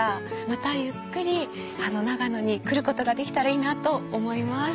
またゆっくり長野に来ることができたらいいなと思います。